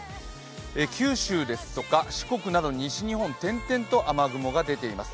九州ですとか四国など西日本、点々と雨雲が出ています。